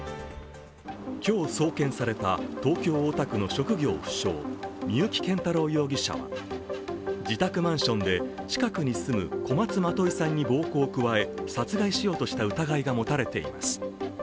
今日送検された東京・大田区の職業不詳・三幸謙太郎容疑者は自宅マンションで近くに住む小松まといさんに暴行を加え、殺害しようとした疑いが持たれています。